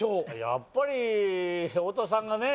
やっぱり太田さんがね